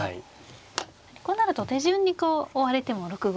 こうなると手順にこう追われても６五に。